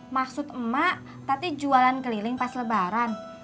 maksud mak tadi jualan keliling pas lebaran